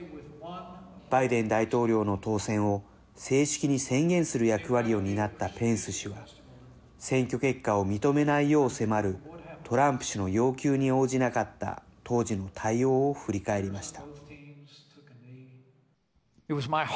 バイデン大統領の当選を正式に宣言する役割を担ったペンス氏は選挙結果を認めないよう迫るトランプ氏の要求に応じなかった当時の対応を振り返りました。